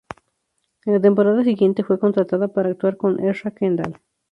En la temporada siguiente fue contratada para actuar con Ezra Kendall.